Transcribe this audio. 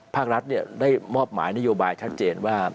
ภาครัฐได้มอบหมายนโยบายชัดเจนว่า